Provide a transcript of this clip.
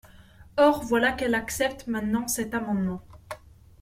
Or, voilà qu’elle accepte maintenant cet amendement.